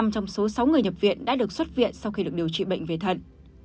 năm trong số sáu người nhập viện đã được xuất viện sau khi được điều trị bệnh về thận